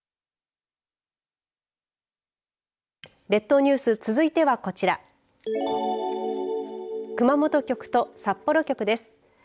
列島ニュース、続いてはこちら熊本局と札幌局です。